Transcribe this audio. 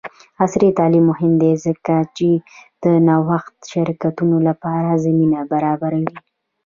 عصري تعلیم مهم دی ځکه چې د نوښتي شرکتونو لپاره زمینه برابروي.